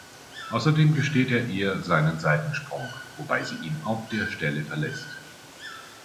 Außerdem gesteht er ihr seinen Seitensprung, wobei sie ihn auf der Stelle verlässt.